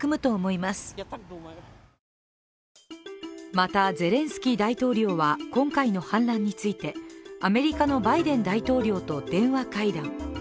またゼレンスキー大統領は今回の反乱についてアメリカのバイデン大統領と電話会談。